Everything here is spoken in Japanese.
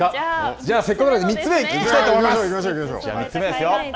じゃあせっかくなので、３つ目いきたいと思います。